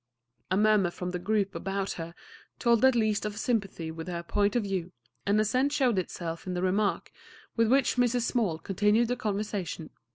A murmur from the group about her told at least of sympathy with her point of view, and assent showed itself in the remark with which Mrs. Small continued the conversation.